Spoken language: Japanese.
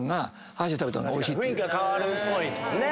雰囲気が変わるっぽいっすもんね。